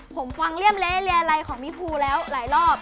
ผมฟังเลี่ยมเละเรียไลของพี่ภูแล้วหลายรอบ